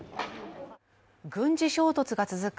軍事衝突が続く